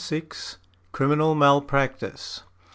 CRIMINAL MALPRACTICE.